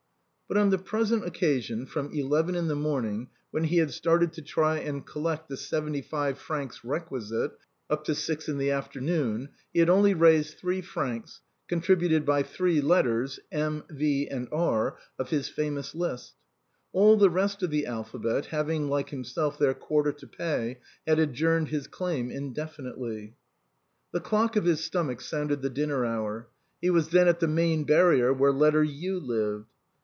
But on the present occasion, from eleven in the morning, when he had started to try and collect the seventy five francs requisite, up to six in the afternoon, he had only raised three francs, contributed by three letters (M., V., and R.) of his famous list; all the rest of the alphabet * The French pay days. — Trans. HOW THE BOHEMIAN CLUB WAS FORMED. 17 having, like himself, their quarter to pay, had adjourned his claim indefinitely. The clock of his stomach sounded the dinner hour. He was then at the Maine barrier, where letter U lived.